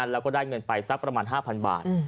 แล้วก็ได้เงินไปสักประมาณ๕๐๐บาท